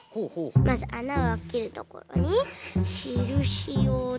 まずあなをあけるところにしるしをつけて。